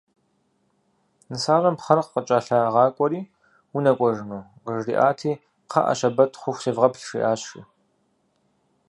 Нысащӏэм пхъэр къыкӏэлъагъакӏуэри «унэкӏуэжыну?» къыжыраӏати, «Кхъыӏэ, щэбэт хъуху севгъэплъ», жиӏащ жи.